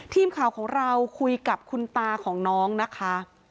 ทีมข่าวของเราคุยกับคุณตาของน้องนะคะ